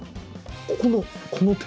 ここのこの点？